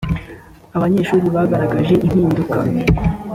abanyeshuri bagaragaje impinduka .